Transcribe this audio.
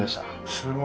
すごいね。